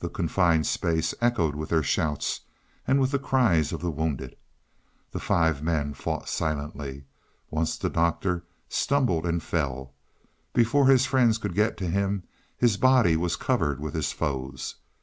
The confined space echoed with their shouts, and with the cries of the wounded. The five men fought silently. Once the Doctor stumbled and fell. Before his friends could get to him, his body was covered with his foes.